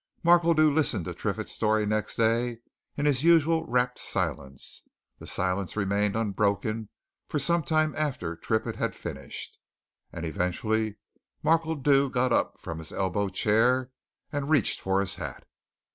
Markledew listened to Triffitt's story next day in his usual rapt silence. The silence remained unbroken for some time after Triffitt had finished. And eventually Markledew got up from his elbow chair and reached for his hat.